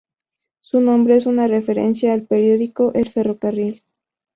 Su nombre es una referencia al periódico "El Ferrocarril".